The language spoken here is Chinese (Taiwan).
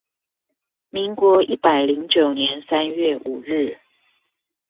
民國一百零九年三月五日